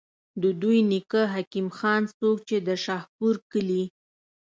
د دوي نيکۀ حکيم خان، څوک چې د شاهپور کلي